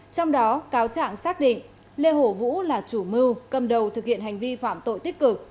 trong đó cáo trạng xác định lê hổ vũ là chủ mưu cầm đầu thực hiện hành vi phạm tội tích cực